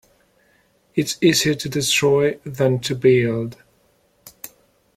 It is easier to destroy than to build.